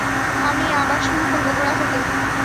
আমি আবার শুরু করব, গোড়া থেকে!